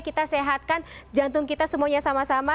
kita sehatkan jantung kita semuanya sama sama